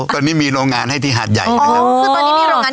ตอนนี้มีโรงงานให้ที่หาดใหญ่อ๋อคือตอนนี้มีโรงงานที่แห่ง